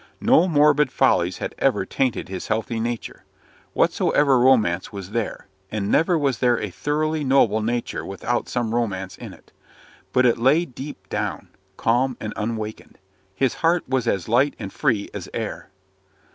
No morbid follies had ever tainted his healthy nature, whatsoever romance was there and never was there a thoroughly noble nature without some romance in it. But it lay deep down, calm and unawakened. His heart was as light and free as air.